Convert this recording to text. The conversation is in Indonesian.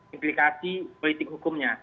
implikasi politik hukumnya